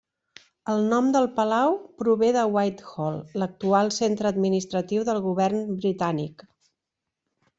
El nom del palau prové de Whitehall, l'actual centre administratiu del Govern britànic.